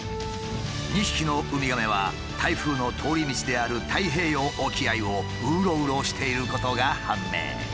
２匹のウミガメは台風の通り道である太平洋沖合をうろうろしていることが判明。